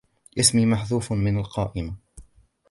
اسمي محذوفٌ من القائمة.